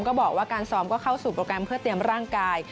ก็บอกว่าการซ้อมก็เข้าสู่โปรแกรมเพื่อเตรียมร่างกาย